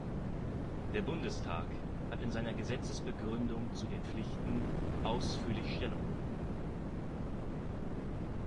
Der Bundestag hat in seiner Gesetzesbegründung zu den Pflichten ausführlich Stellung genommen.